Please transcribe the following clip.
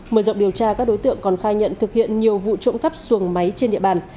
mở rộng điều tra các đối tượng còn khai nhận thực hiện nhiều vụ trộm cắp xuồng máy trên địa bàn